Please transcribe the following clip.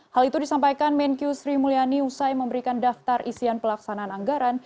hal itu disampaikan menkyu sri mulyani usai memberikan daftar isian pelaksanaan anggaran